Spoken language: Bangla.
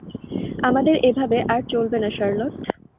আমাদের এভাবে আর চলবে না, শার্লট।